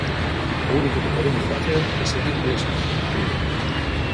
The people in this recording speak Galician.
"O único que podemos facer é seguir pelexando", conclúe.